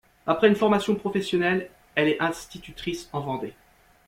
Après une formation professionnelle, elle est institutrice en Vendée.